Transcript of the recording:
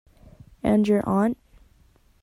And your aunt.